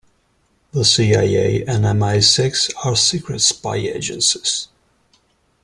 The CIA and MI-Six are secret spy agencies.